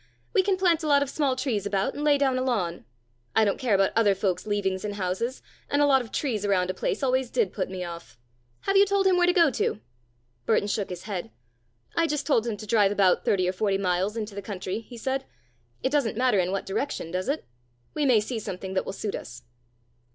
We can plant a lot of small trees about, and lay down a lawn. I don't care about other folks' leavings in houses, and a lot of trees around a place always did put me off. Have you told him where to go to?" Burton shook his head. "I just told him to drive about thirty or forty miles into the country," he said. "It doesn't matter in what direction, does it? We may see something that will suit us."